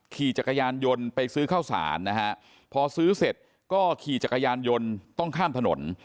ขี่จักรยานยนต์ไปซื้อข้าวสารนะฮะพอซื้อเสร็จก็ขี่จักรยานยนต์ต้องข้ามถนน